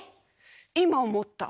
今思った。